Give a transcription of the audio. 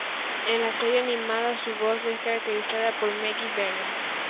En la serie animada su voz es caracterizada por Maggie Vera.